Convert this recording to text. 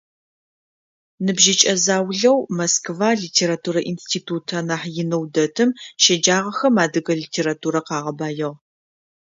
Ныбжьыкӏэ заулэу Москва литературэ институт анахь инэу дэтым щеджагъэхэм адыгэ литературэр къагъэбаигъ.